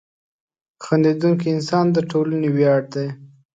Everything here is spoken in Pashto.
• خندېدونکی انسان د ټولنې ویاړ دی.